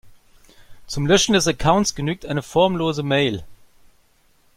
Zum Löschen des Accounts genügt eine formlose Mail.